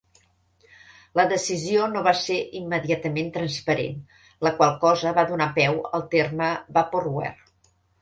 La decisió no va ser immediatament transparent, la qual cosa va donar peu al terme vaporware.